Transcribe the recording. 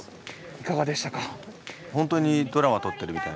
いかがでしたか？